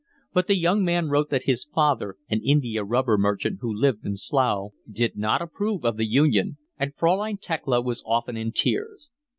But the young man wrote that his father, an india rubber merchant who lived in Slough, did not approve of the union, and Fraulein Thekla was often in tears.